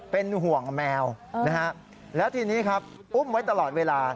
เป็นห่วงแมวนะฮะแล้วทีนี้ครับอุ้มไว้ตลอดเวลา